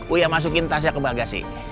uya masukin tasnya ke bagasi